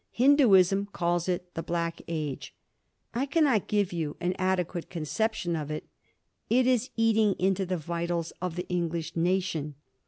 Hinduism calls it the Black Age. I cannot give you an adequate conception of it. It is eating into the vitals of the English nation.